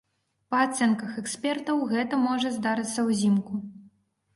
Па ацэнках экспертаў, гэта можа здарыцца ўзімку.